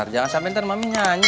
jangan sampai ntar mami nyanyi